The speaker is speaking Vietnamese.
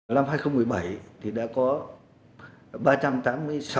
năm hai nghìn một mươi bảy đã có ba triệu người chết và mất tích